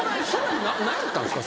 何やったんすか？